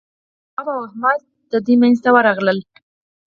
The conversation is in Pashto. تواب او احمد درې مينځ ته ورغلل.